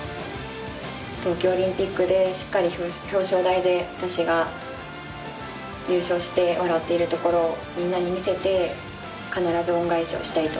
東京オリンピックでしっかり表彰台で私が優勝して笑っているところをみんなに見せて必ず恩返ししたいと